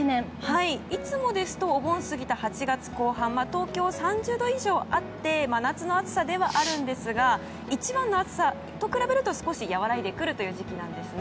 いつもですとお盆過ぎた８月後半東京は３０度以上あって真夏の暑さではありますが一番の暑さと比べると少し和らいでくるという時期なんです。